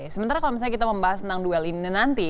sementara kalau misalnya kita membahas tentang duel ini nanti